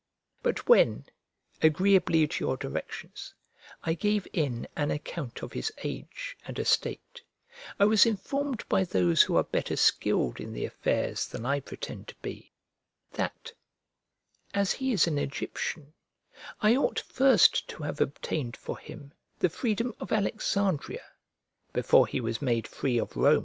But when, agreeably to your directions, I gave in an account of his age, and estate, I was informed by those who are better skilled in the affairs than I pretend to be that, as he is an Egyptian, I ought first to have obtained for him the freedom of Alexandria before he was made free of Rome.